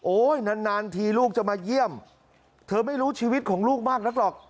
นานทีลูกจะมาเยี่ยมเธอไม่รู้ชีวิตของลูกมากนักหรอก